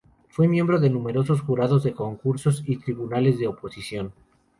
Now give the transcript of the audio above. Fue miembro de numerosos jurados de concursos y tribunales de oposición.